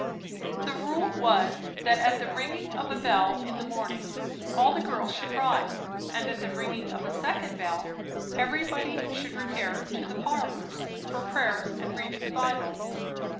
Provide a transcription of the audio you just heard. The rule was that at the ringing of a bell in the morning all the girls should rise; and at the ringing of a second bell everybody should repair to the parlours for prayers and reading the Bible.